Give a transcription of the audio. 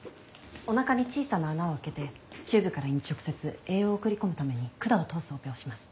おなかに小さな穴を開けてチューブから胃に直接栄養を送り込むために管を通すオペをします。